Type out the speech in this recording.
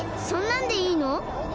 そんなんでいいの？